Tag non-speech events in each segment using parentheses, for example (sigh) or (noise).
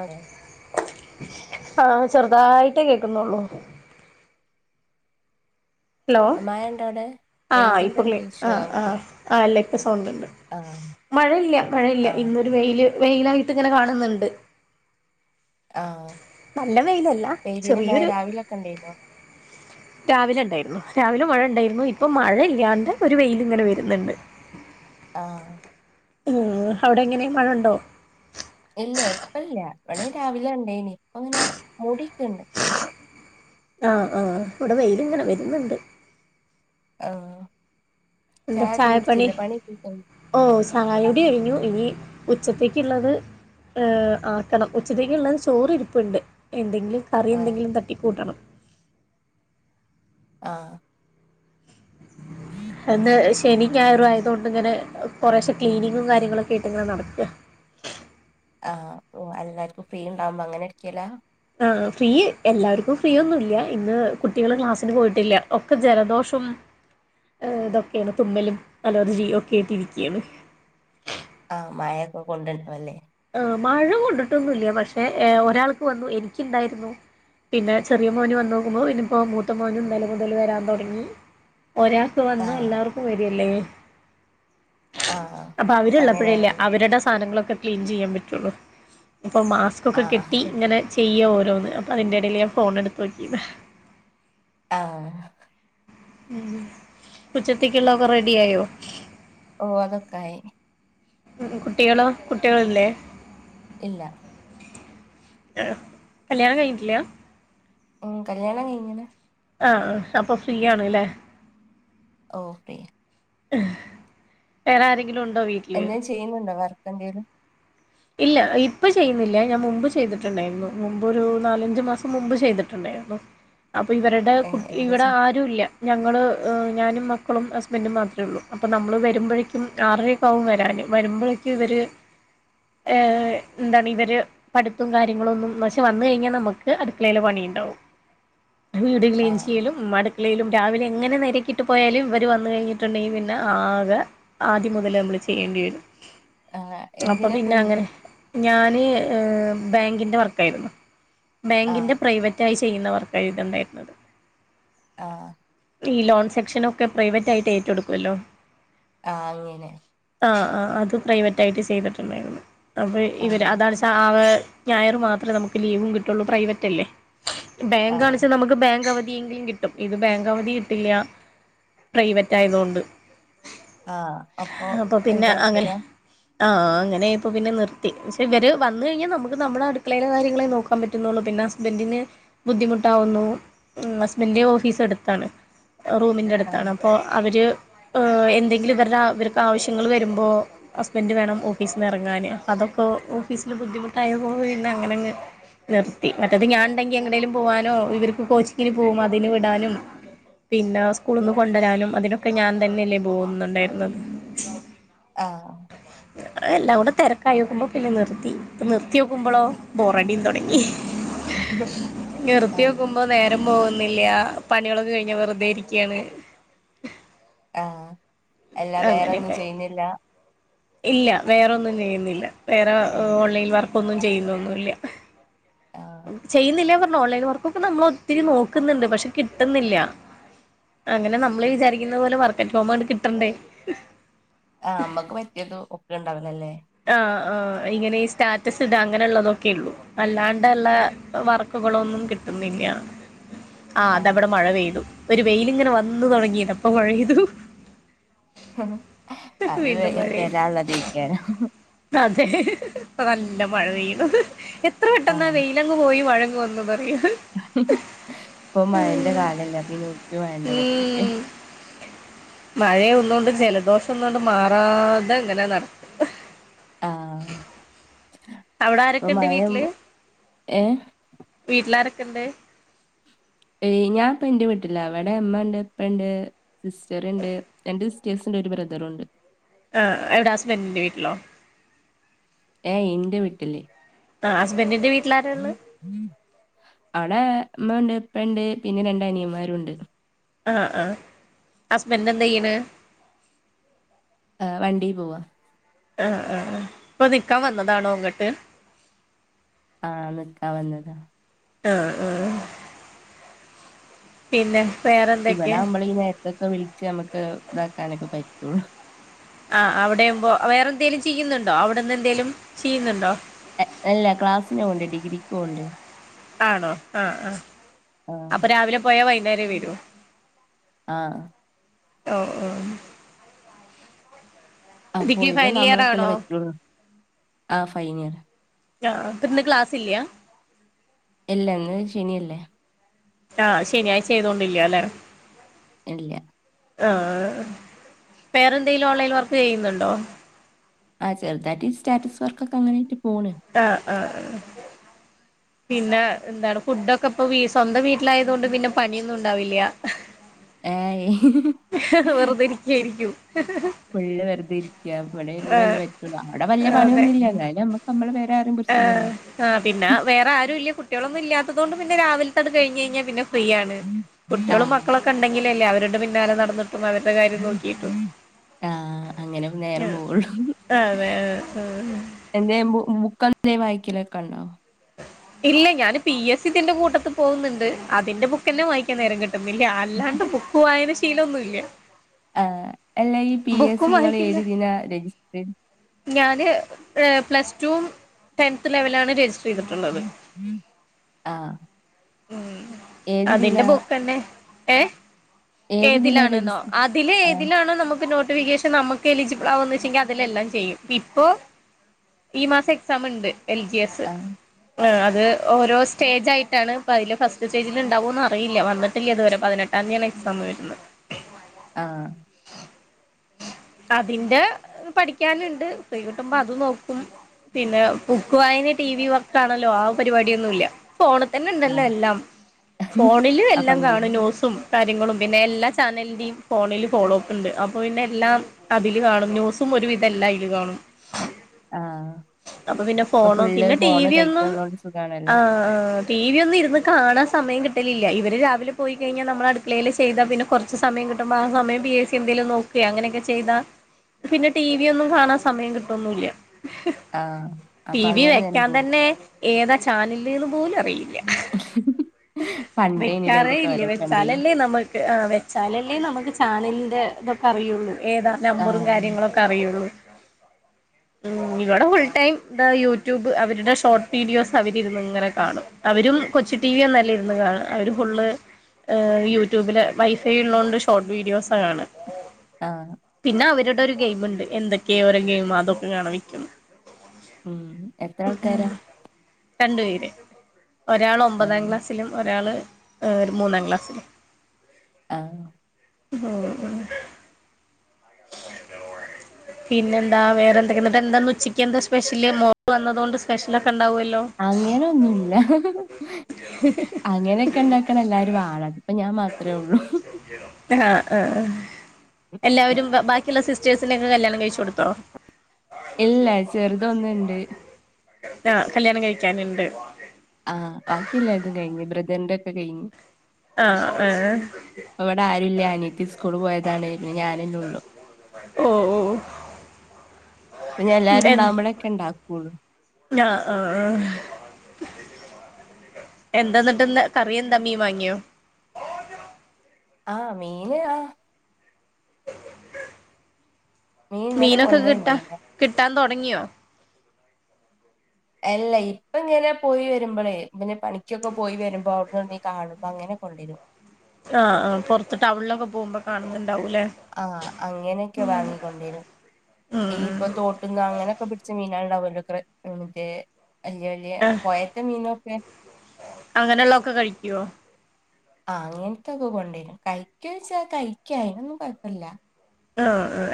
അതെ ആ ചെറുതായിട്ടേ കേൾക്കുന്നൊള്ളൂ ഹലോ മഴണ്ടോ അവിടെ ആ റേഞ്ചിന്റെ എന്താ ഇപ്പക്ലി ഇഷ്യൂ അഹ് ആവും ആഹ് ആ ഇല്ല ഇപ്പം സൗണ്ട് ഇണ്ട് ആ മഴയില്ല മഴയില്ല ആ ഇന്ന് വെയില്. വെയിലായിട്ട് ഇങ്ങനെ കാണുന്ന്ണ്ട്. ആഹ് നല്ല വെയിലല്ല പെയ്തിന്യൊ മഴ ചെറിയൊരു രാവിലൊക്കെ ഉണ്ടേയിന്നോ രാവിലെ ഉണ്ടായിരുന്നു. രാവിലെ മഴ ഉണ്ടായിരുന്നു. ഇപ്പം മഴയില്ലാണ്ട് ഒരു വെയിലിങ്ങനെ വരുന്ന്ണ്ട് ആഹ് ഉം അവിടെ എങ്ങനെ മഴ ഉണ്ടോ ഇല്ലേ ഇപ്പ ഇല്ല. ഇവടെ രാവിലെ ഇണ്ടേയ്നി. ഇപ്പങ്ങനെ മൂടിക്ക്ണ്ട് ആഹ് ആഹ് ഇവടെ വെയിലിങ്ങനെ വരുന്ന്ണ്ട് ആഹ് ചായൊക്കേ കുട്ച്ച്ലെ പണിയൊ (unintelligible) ഓഹ് ചായുടി കഴിഞ്ഞു. ഇനി ഉച്ചത്തേക്ക്യുള്ളത് ഹ് ആക്കണം. ഉച്ചത്തേക്ക്ള്ളത് ചോറ് ഇരിപ്പ്ണ്ട്. എന്തെങ്കിലും കറി ആ എന്തെങ്കിലും തട്ടിക്കൂട്ടണം ആഹ് എന്ന് ശനി ഞായറും ആയതുകൊണ്ട് ഇങ്ങനെ കൊറേശെ ക്ലീനിങ്ങും കാര്യങ്ങളൊക്കെ ആയിട്ട് ഇങ്ങനെ നടക്കുവാ ആ ഓ എല്ലാവർക്കും ഫ്രീ ഉണ്ടാവുമ്പോ അങ്ങനെയിരിക്കല്ലാ ആഹ് ഫ്രീ എല്ലാവർക്കും ഫ്രീയൊന്നുമില്ല ഇന്ന് കുട്ടികള് ക്ലാസ്സിന് പോയിട്ടില്ല ഒക്കെ ജലദോഷം ആഹ് ഇതൊക്കെയാണ് തുമ്മലും അലർജി ഒക്കെ ആയിട്ടിരിക്കുകയാണ് ആഹ് മയയൊക്കെ കൊണ്ടപ്പോ അല്ലേ ആഹ് മഴ കൊണ്ടിട്ടൊന്നുവില്ല പക്ഷേ ഒരാൾക്ക് വന്നു എനിക്കുണ്ടായിരുന്നു പിന്നെ ചെറിയ മോന് വന്നേക്കുന്നു പിന്ന ഇപ്പോ മൂത്ത മോനും ഇന്നലെ മുതൽ വരാൻ തുടങ്ങി ഒരാ ഇ ആ വന്നാ എല്ലാവർക്കും വരിയല്ലേ ആ അപ്പൊ അവരുള്ളപ്പോഴല്ലേ അവരുടെ സാധനങ്ങളൊക്കെ ക്ലീൻ ചെയ്യാൻ പറ്റുള്ളൂ അപ്പോൾ ആ മാസ്ക്കൊക്കെ കെട്ടി ഇങ്ങനെ ചെയ്യുവാ ഓരോന്ന് അപ്പോ അതിന്റെ ഇടയിൽ ഞാൻ ഫോണ് എടുത്ത് നോക്കിയതാ ആഹ് ഉം ഉച്ചത്തേക്ക് ഉള്ളതൊക്കെ റെഡി ആയോ ഓ അതൊക്കെ ആയി ഉം കുട്ടികളോ കുട്ടികളില്ലേ ഇല്ല ആഹ് കല്യാണം കഴിഞ്ഞിട്ടില്ല ഉം കല്യാണം കഴിഞ്ഞിന് ആഹ് ആഹ് അപ്പൊ ഫ്രീ ആണല്ലേ ഓ ഫ്രീ വേറെ ആരെങ്കിലും ഉണ്ടോ വീ എന്തേലും ചെയ്യുന്നുണ്ടോ വർക്ക് എന്തേലും ഇല്ല ഇപ്പൊ ചെയ്യുന്നില്ല ഞാൻ മുമ്പ് ചെയ്തിട്ടുണ്ടായിരുന്നു മുമ്പ് ഒരു നാലഞ്ച് മാസം മുമ്പ് ചെയ്തിട്ടുണ്ടായിരുന്നു അപ്പൊ ഇവരുടെ ഏ കുട്ട എന്താ ഇവിടെ ചെയ്യ ആരും ഇല്ല ഞങ്ങള് ഞാനും മക്കളും ഹസ്ബൻഡും മാത്രേ ഉള്ളൂ അപ്പോൾ നമ്മള് വരുമ്പോഴേക്കും ആറരയൊ ക്കെ ആവും വരാന് വരുമ്പളേക്ക് ഇവര് ഏ എന്താണ് ഇവര് പഠിപ്പും കാര്യങ്ങളൊന്നും പക്ഷേ വന്ന് കഴിഞ്ഞാൽ നമുക്ക് അടുക്കളയില് പണിയുണ്ടാവും വീട് ക്ലീൻ ആഹ് ചെയ്യലും നമ്മ അടുക്കളയിലും രാവിലെ എങ്ങനെ നിരക്കിട്ട് പോയാലും ഇവര് വന്ന് കഴിഞ്ഞിട്ടുണ്ടെങ്കിൽ പിന്നെ ആകെ ആദ്യം മുതല് നമ്മള് ചെയ്യേണ്ടി വരും ആഹ് എന്തിനാ എന്നാ പോയിന് അങ്ങനെ ഞാന് ബാങ്കിന്റെ വർക്കായിരുന്നു ആഹ് ബാങ്കിന്റെ പ്രൈവ റ്റായി ചെയ്യുന്ന വർക്കായിരുന്നു ഉണ്ടായിരുന്നത് ആഹ് ഈ ലോൺ സെക്ഷനൊക്കെ പ്രൈവറ്റായിട്ട് ഏറ്റെടുക്കുവല്ലോ ആ അങ്ങനെ ആഹ് ആഹ് അത് പ്രൈവറ്റായിട്ട് ചെയ്തിട്ടുണ്ടായിരുന്നു അപ്പൊ ഇവര് ആഹ് അതാണ് ആകെ ഞായർ മാത്രമേ നമുക്ക് ലീവും കിട്ടുള്ളൂ പ്രൈവറ്റ് അല്ലേ ബാങ്കാന്ന് ആഹ് വെച്ചാ നമ്മു ക്ക് ബാങ്ക് അവധിയെങ്കിലും കിട്ടും ഇത് ബാങ്ക് അവധി കിട്ടില്ല പ്രൈവറ്റായത് കൊണ്ട് ആ അപ്പൊ പിന്നെ അങ്ങനെ ഒഴിവാക്കിയതാ ആഹ് അ ങ്ങനെ ആയപ്പോ പിന്നെ നിർത്തി പക്ഷെ ഇവര് വന്ന് കഴിഞ്ഞാൽ നമുക്ക് നമ്മുടെ അടുക്കളയിലെ കാര്യങ്ങളെ നോക്കാൻ പറ്റുന്നുള്ളൂ പിന്നെ ഹുസ്ബൻഡിന് ബുദ്ധിമുട്ടാവുന്നു ഹസ്ബൻഡിന്റെ ഓഫീസ് അടുത്താണ് റൂമിന്റെ അടുത്താണ് ആഹ് അപ്പോ അവര് എന്തെങ്കിലും ഇവരുടെ ഇവർക്ക് ആവശ്യങ്ങൾ വരുമ്പോൾ ഹസ്ബൻഡ് വേണം ഓ ഫീസിന്ന് ഇറങ്ങാന് അപ്പ അതൊക്കൊ ഓഫീസില് ബുദ്ധിമുട്ടായപ്പോ പിന്നെ അങ്ങനങ്ങ് നിർത്തി മറ്റേത് ഞാൻ ഉണ്ടെങ്കി എങ്ങട്ടേലും പോവാനോ ഇവർക്ക് കോച്ചിങ്ങിന് പോകും അതിന് വിടാനും പിന്നെ ആ സ്കൂളിൽന്ന് കൊണ്ടുരാനും അതിനൊക്കെ ഞാൻ തന്നെയല്ലേ പോകുന്നുണ്ടായിരുന്നത് ആഹ് അഅല്ല അവുടെ തെരക്കായിക്കുമ്പോ പിന്നെ നിർത്തി പ്പ നിർത്തി നോക്കുമ്പോളോ ബോറടിയും തോടങ്ങി ആഹ് നിർത്തിക്കുമ്പോ നേരം പോകുന്നില്ല പണികളൊക്കെ കഴിഞ്ഞ വെറുതെയിരിക്കയാണ് ആ എല്ലാ വേറെന്നും അങ്ങനെയൊക്കെ ചെയ്യുന്നില്ല ഇല്ല വേറെന്നും ചെയ്യുന്നില്ല വേറെ ആഹ് ഓൺലൈൻ വർക്കൊന്നും ചെയ്യുന്നൊന്നുമില്ല ആഹ് ചെയ്യുന്നില്ല പറഞ്ഞ ഓൺലൈൻ വർക്കൊക്കെ നമ്മൾ ഒത്തിരി നോക്കുന്നുണ്ട് പക്ഷെ കിട്ടുന്നില്ല അങ്ങനെ നമ്മള് വിചാരിക്കുന്ന പോലെ വർക്കറ്റ് ഹോ ആണ് കിട്ടേണ്ടേ ആഹ് നമ്മക്ക് പറ്റിയത് ഒക്കെ ഉണ്ടാവില്ലല്ലേ ആ ആ ഇങ്ങനെ ഈ സ്റ്റാറ്റസ് ഇത അങ്ങനെള്ളതൊക്കെ ഉള്ളൂ അല്ലാണ്ടല്ല വർക്കുകളൊന്നും കിട്ടുന്നില്ല ആഹ അതവിടെ ആഹ് മഴ പെയ്തു പ്പ ഒരു വെയിലിങ്ങനെ വന്നു തുടങ്ങിട്ട അപ്പൊ മഴ പെയ്തു അത് വേ വീണ്ടും മഴെ ഇട്ടരാള്ളതെയ്കാരം. അതെ നല്ല മഴ പെയ്യുന്നു എത്ര പെട്ടെന്നാ ആഹ് വെയില് അങ് പോയി മഴങ് വന്ന് പറയാ. ഇപ്പൊ മയന്റെ കാലല്ലേ അപ്പൊ ന്യൂസ്‌റ്റ് വേണ്ടേ കൊറച്ചൊക്കെ. മഴയൊന്ന കൊണ്ട് ജലദോഷം ഒന്നണ്ട് മാറാതെ എങ്ങനെ നട ആഹ് അവിടെ പ്പ ആരൊക്കെണ്ട് മഴന്ന് ഏഹ വീട്ടിലാരൊക്കെ ഇണ്ട് ഏയ് ഞാൻ ഇപ്പം എന്റെ വീട്ടില അവിടെ ഉമ്മ ഇണ്ട് ഇപ്പ ഇണ്ട് സിസ്റ്റർ ഇണ്ട് രണ്ട് സിസ്റ്റേഴ്സ് ഇണ്ട് ഒരു ബ്രദറുണ്ട് ആ എവിടെ ഹസ്ബൻറിന്റെ വീട്ടിലോ ഏയ് ഇന്റെ വീട്ടില് ആ ഹസ്ബൻഡറിന്റെ വീട്ടിൽ ആരാ ഉള്ളത് അവിടെ ഉമ്മ ഇണ്ട് ഉപ്പഇണ്ട് പിന്നെ രണ്ട് അനിയന്മാരും ഉണ്ട് ആ ആ ഹസ്ബൻഡ് എന്ത ചെയ്യണ് ആ വണ്ടിയിൽ പോവ ആ ആ ആ ഇപ്പൊ നിക്കാൻ വന്നതാണോ ഇങ്ങോട്ട് ആ നിൽക്കാൻ വന്നതാ ആഹ് ആഹ് പിന്നെ വേറെ ഇവിടെകുമ്പോള ഈ നേരത്തൊക്കെ വിളിച്ച് നമുക്ക് ഇതാക്കാനൊക്കെ പറ്റുള്ളൂ അ അവിടെയുമ്പോ വേറെ എന്തെങ്കലും ചെയ്യുന്നുണ്ടോ അവിടെന്ന് എന്തേലും ചെയ്യുന്നുണ്ടോ അല്ല ക്ലാസ്സിന് പോവുണ്ട് ഡിഗ്രിക്ക് പോവുണ്ട് ആണോ ആഹ ആഹ ആ അപ്പൊ രാവിലെ പോയാ വൈകുന്നേര വരു ആഹ ഓ ഓ ഡിഗ്രി ആപോഒഴിവ് ഫൈനൽ ഇയർ ണ്ടാവുളൊക്കെല്ലേ ആണോ പറ്റുള്ളൂ ആ ഫൈൻ ഇയർ ആ പ്പ ഇന്ന് ക്ലാസ് ഇല്ലയ ഇല്ല ഇന്ന് ശനിയല്ലേ ആഹ് ശനിയായിച്ചയ്തോണ്ടില്ലോ ലെ ഇല്ല ആഹ പേറെന്തെങ്കിലും ഓൺലൈൻ വർക്ക് ചെയ്യുന്നുണ്ടോ ആ ചെറുതായിട്ട് ഈ സ്റ്റാറ്റസ് വർക്കൊക്കെ അങ്ങനൊയിട്ട് പോണ് ആഹ് ആഹ ആഹ പിന്നെ എന്താണ് ഫുഡൊക്കെ ഇപ്പൊ സ്വന്തം വീട്ടിലായതോണ്ട് പിന്നെ പണിയൊന്നും ഉണ്ടാവില്ല ഏ ഹെ വെറുതെരിക്കായിരിക്കും ഫുള്ള് വെറുതെരിക്ക ഇവിടെ വരുമ്പളല്ലേ ആഹ് പറ്റുള്ളൂ അവിടെ വല്യ പണിയൊന്നുമില്ല എന്നാലും നമ ക്ക് നമ്മളെ പേരാ പറയുമ്പോ ആ ആ പിന്നെ ആരും ഇല്ല കുട്ടികളൊന്നും ഇല്ലാത്തതുകൊണ്ട് പിന്നെ രാവിലത്തൊണ് കഴിഞ്ഞ് കഴിഞ്ഞാ പിന്നെ ഫ്രീ ആണ് കുട്ടിളും ആഹ് മക്കളൊക്കെ ഉണ്ടെങ്കിലല്ലേ അവരുടെ പിന്നാലെ നടന്നിട്ടും അവരുടെ കാര്യം നോക്കിയിട്ടും ആഹ അങ്ങനെ നേരം പോവോള്ളൂ ആഹ് അതെ ആഹ് എന്ത ബുക്ക എന്ത വായിക്കലൊക്കെ ഇണ്ടാ ഇല്ല ഞാന് പി എസ് സി തിന്റെ കൂട്ടത്ത് പോകുന്നുണ്ട് അതിന്റെ ബു ക്കെന്നെ വായിക്കാൻ നേരം കിട്ടുന്നില്ല അല്ലാണ്ട് ബുക്ക് വായന ശീലൊന്നുമ ഇല്ല ആഹ് അല്ല ഈ പി എസ് സി ങ്ങൾ വായിക്കില്ല ഏത് ദിന രജിസ്റ്റർ ചെയ ഞാന് പ്ലസ് ടു ടെൻത് ലെവലാണ് രജിസ്റ്റർ ചെയ്തിട്ടുള്ളത് ആഹ് ഉം അതിന്റെ ഏതിതിലാ ബുക്ക്ന്നെ ഏ ഏതിതിലാ ഏതിലാണെന്നോ രജിസ്റ്റർ അതില് ആഹ് ഏതിലാണോ നമുക്ക് നോട്ടിഫിക്കേഷൻ പക്ഷെ നമക്ക് എലിജിബിൾ ആകന്ന് വെച്ചെങ്കിൽ അതിലെല്ലാം ചെയ്യും ഇപ്പൊ ഈ മാസം എക്സാം ഉണ്ട് എൽ ജി എസ് ആഹ് ആഹ് അത് ഓരോ സ്റ്റേജ ആയിട്ടാണ് അപ്പൊ അതില് ഫസ്റ്റ് സ്റ്റേജിൽ ഉണ്ടാവോന്ന് അറിയില്ല വന്നിട്ടില്ലേ അതുവരെ പതിനെട്ടാം തീതിയാണ് എക്സാം വരുന്നത് ആഹ് ആ അതിന്റെ പഠിക്കാനുണ്ട് ഫ്രീ കിട്ടുമ്പോ അത് നോക്കും പിന്നെ ബുക്ക് വായന ടി വി വർക്കാണല്ലോ ആ പരിപാടിയൊന്നുംല്ല ഫോണിൽ തന്നെ ണ്ടല്ലോ ആഹ് എല്ലാം ഫോണിലും അപ്പൊ എല്ലാം അങ്ങനെ കാണ ന്യൂസും കാര്യങ്ങളും പിന്നെ എല്ലാ ചാനലിന്റെയും ഫോണിൽ ഫോളോ അപ്പ് ഉണ്ട് അപ്പോ പിന്നെ എല്ലാ അതില് കാണും ന്യൂസും ഒരു വിധല്ല അതില് കാണും ആഹ് അപ്പൊ പിന്നെ ഇപ്പൊ ഫോണ ഫുള്ള് പിന്നെ ടി ഫോണ് വി ഒന്നും കൈക്കള്ളോണ്ട് സുഖാണല്ലോ ആഹ് ആഹ് ടി വി ഒന്നും ഇന്ന് കാണാൻ സമയം കിട്ടില്ല ഇവര് രാവിലെ പോയി കഴിഞ്ഞാൽ നമ്മൾ അടുക്കളയിലെ ചെയ്താൽ പിന്നെ കുറ സമം കിട്ടുമ്പോ ആ സമയം ബി എ സി എന്തേലും നോകയാ അങ്ങനെയൊക്കെ ചെയ്താ പിന്നെ ടി വി ഒന്നും കാണാൻ സമയം കിട്ടൊന്നല്ല ആഹ് ടി അപ്പൊ വി അങ്ങനെ നേരം വെക്കാൻ പോയി തന്നെ ഏതാ ചാനലന്ന് പോലും അറിയില്ല പണ്ടേനില്ലേ വെക്കാറേ അയിന്റെ ഇല്ലേ തൊരക്കണ്ടേനി വെച്ചാലല്ലേ നമ്മക്ക് എ അവെച്ചാലല്ലേ നമുക്ക് ചാനലിന്റെ ഇതൊക്കെ അറിയുള്ളൂ ഏതാ നമ്പറും ആഹ് കാര്യങ്ങളുംക്ക അറിയുള്ളൂ ഉം ഇവിടെ ഫുൾ ടൈം യൂട്യൂബ് അവരുടെ ഷോർട്ട് വീഡിയോസ് അവരിന്ന് ഇങ്ങനെ കാണും അവരും കൊച്ചു ടിവി ഒന്നല്ല ഇരുന്നു കാണ അവര് ഫുള്ള് യൂട്യൂബില് വൈഫൈ ഉള്ളതുകൊണ്ട് ഷോർട്ട് വീഡിയോസാണ് കാണ ആഹ് പിന്നെ അവരുടെ ഒരു ഗെയിം മുണ്ട് എന്തൊക്കെയ ഓരോ ഗെയിം അതൊക്കെ കാണ വെക്കുന്നു ഉം എത്ര ആൾക്കാരാ രണ്ട് പേര് ഒരാൾ ഒമ്പതാം ആഹ് ക്ലാസ്സിലും ഒരാൾ ഒരു മൂന്നാം ക്ലാസ്സിലും ആഹ് (unintelligible) പിന്നെ എന്താ വേറെ എന്തൊക്ക എന്നിട്ട് എന്താ ഉച്ചക്ക് എന്താ സ്പെഷ്യല് മോള് വന്നത് കൊണ്ട് സ്പെഷ്യല ഒക്കെ ഉണ്ടാവുല്ലോ അങ്ങനൊന്നുല്ല അങ്ങനെയൊക്കെ ഉണ്ടാക്കണം എല്ലാരും വാണം ഇപ്പോ ഞാൻ മാത്രമേ ഉള്ളു ആഹ് ആഹ്ആ എല്ലാവരും ബാക്കിയുള്ള സിസ്റ്റേഴ്സിന്റെ ഒക്കെ കല്യാണം കഴിച്ചു കൊടു ഇല്ല ചെറുതൊന്നുണ്ട് (unintelligible) ആഹ് കല്യാണം കഴിക്കാനുണ്ട് ആഹ് ബാക്കിയല്ലേ രതും കഴിഞ്ഞു ബ്രദറിന്റെ ഒക്കെ കഴിഞ് ആഹ് ആഹ് അവിടെ ആരുല്ലന്നിട്ട്അനീത്തി സ്കൂള് പോയതാണ് ഞാനെ ന്നെഉള്ളു ഓ ഓ അപ്പെ എല്ലാരുണ്ടാവുമ്പോഴ ഒക്കെ ഉണ്ടാക്കുള്ളൂ ഞ അ ആഹ് എന്താന്നിട്ട്ന്ന് കറിയ ന്തമീം വാങ്ങിയോ ആഹ് മീന് ആഹ് (unintelligible) മീൻ ഇന്നലെ മീനൊക്കെ കിട്ടാ കൊണ്ടന്നിണ്ടേനി കിട്ടാൻ തൊടങ്ങിയോ അല്ല ഇപ്പൊ ഇങ്ങനെപോയി വരുമ്പോളേ പിന്നെ പണിക്കൊക്കെ പോയി വരുമ്പോ അവിടുന്ന് ന്നെവിടന്ന് കാണുമ്പോ അങ്ങനെ കൊണ്ടരും ആഹ് ആഹ് പൊറത്ത് ടൗണിലൊക്കെ പോകുമ്പോ കാണുന്നുണ്ടാവൂല്ലേ ആ അങ്ങനൊക്കെ വാങ്ങിക്കൊണ്ടരും ഉം ഈ ഉം ഇപ്പൊ തോട്ട്ന്ന് അങ്ങനെയൊക്കെ പിടിച്ച മീനാ (unintelligible) എ പൊയേത്തെ മീനൊക്കെ അങ്ങനെള്ള ഒക്കെ കയ്ക്കുവോ ആ അങ്ങനത്തൊക്കെ കൊണ്ടരും കയ്ക്കെച്ചാ കയ്ക്ക അയ്നൊന്നും കൊയപ്പല്ല ആ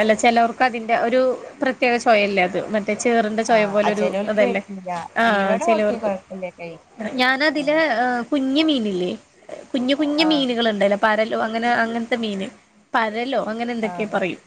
അല്ല ചെലോർക്ക് അതിന്റെ ഒരു പ്രത്യേക ചൊയല്ലേ അത് മറ്റേ ചേറിന്റെ ചൊയ പോലെ ആഹ് ഒരു ചിലവർക്ക് ഇതല്ലേ പറ്റില്ല ആ ഇവിടെ ഓക്കെ ചിലോർക്ക് കുഴപ്പമില്ല കഴി ഞാനതില് ആഹ് കുഞ്ഞ് മീനല്ലേ കുഞ്ഞ്കുഞ്ഞ് ആഹ് മീനുകള് ഇണ്ടല്ലോ പരലോ അങ്ങനെ അങ്ങനത്തെ മീന് പരലോ അങ്ങനെ എന്തൊക്കെ ആഹ് പറയും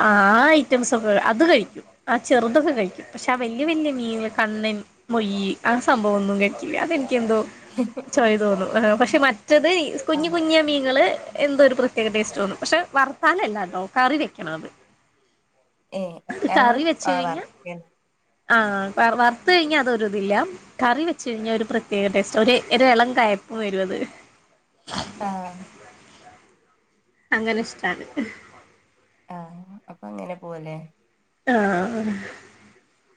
ആ ആ ഐറ്റംസ് ഒക്കെ അത് കഴിക്കും ആ ചെറുതൊക്കെ കഴിക്കും പക്ഷേ വല്യ വല്ല്യമീന് കണ്ണൻ മുയ്യ് ആ സംഭവം ഒന്നും കഴിക്കില്ല അതെനിക്കെന്തോ ഹ് ഹ് ചൊയ തോന്നും പക്ഷെ മറ്റത് കുഞ്ഞു ആഹ് കുഞ്ഞ മീങ്ങള് എന്തോ ഒരു പ്രത്യേക ടേസ്റ്റ് തോന്നും പക്ഷെ വർത്താലല്ലാട്ടോ കറി വെക്കണം അത് ഏ അത് ഞങ്ങള് കറി വെച്ച് ആ കഴിഞ്ഞാൽ വറ്ക്കാണ് ആഹ് വറുത്ത് കഴിഞ്ഞാ അത് ഒരു ഇതില്ല കറി വെച്ച് കഴിഞ്ഞാൽ ഒരു പ്രത്യേക ടേസ്റ്റ് ഒരു ഒരു എളം കയപ്പ് വരും അത് ആഹ് അങ്ങനെ ഇഷ്ടാണ് ആഹ് അപ്പൊ അങ്ങനെ പോവല്ലേ ആഹ്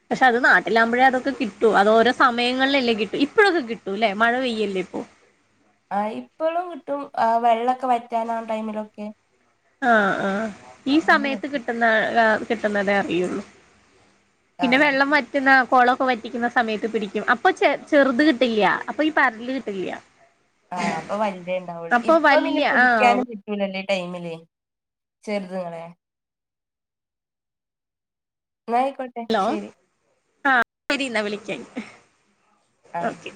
പക്ഷെ അത് നാട്ടിലാമ്പോഴേ അതൊക്കെ കിട്ടു അത് ഓരോ സയങ്ങളിലല്ലേ കിട്ടു ഇപ്പോഴൊക്കെ കിട്ടും അല്ലെ മഴ പെയ്യല്ലേ ഇപ്പോ ആ ഇപ്പോളും കിട്ടും വെള്ളൊക്കെ വറ്റുന്ന ടൈമിലൊക്കെ ആഹ ആഹ ഈ സമയത്ത് അങ്ങനെയൊക്കെ കിട്ടുന്ന കിട്ടുന്നതേ അറിയുള്ളൂ പിന്നെ ആഹ് വെള്ളം വറ്റു പിന്നെ കുളൊക്കെ വറ്റിക്കുന്ന സമയത്ത് പിടിക്കും അപ്പൊ ചെ ചെറുത് കിട്ടില്ല അപ്പൊ ഈ പരല് കിട്ടില്ല (inaudible) ആഹ് അപ്പൊ വലുതേ ഉണ്ടാവുള്ളൂ അപ്പൊ ഇപ്പൊ പിന്നെ വല്യ ആഹ് പുടിക്കാനും (unintelligible) ടൈമിലേ ചെറുതുങ്ങളെ ന്നായ്ക്കോട്ട് ഹലോ ആ (unintelligible) വിളിച്ചേ ആഹ് ഓക്കെ